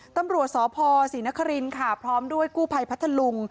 ตำรวจสพศรีนครินค่ะพร้อมด้วยกู้ภัยพัทธลุง